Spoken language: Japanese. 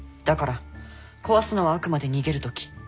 だから壊すのはあくまで逃げるとき。